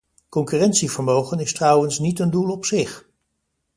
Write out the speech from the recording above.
Concurrentievermogen is trouwens niet een doel op zich.